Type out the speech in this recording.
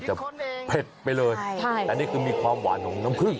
ปกติมาล่าเนี่ยมันจะเผ็ดไปเลยใช่ใช่อันนี้คือมีความหวานของน้ำคลึ้ง